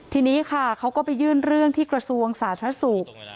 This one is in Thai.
ทีนี้ค่ะเขาก็ไปยื่นเรื่องที่กระทรวงสาธารณสุข